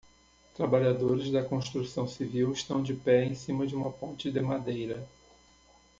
Trabalhadores da construção civil estão de pé em cima de uma ponte de madeira.